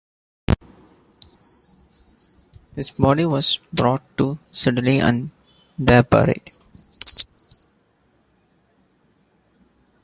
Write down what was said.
His body was brought to Sudeley and there buried.